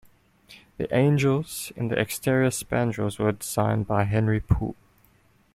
The angels in the exterior spandrels were designed by Henry Poole.